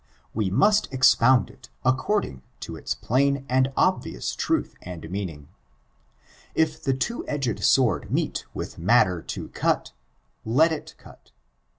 We must expound it according . ON ABOUTIOmSM. 556 to its plain and obvious truth and meaning. If the two edged sword meet with matter to cut, let it cut.